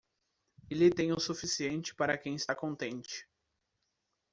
Ele tem o suficiente para quem está contente.